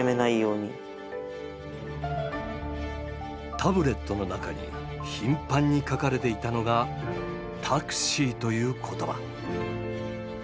タブレットの中に頻繁に書かれていたのが「Ｔａｘｉ」という言葉。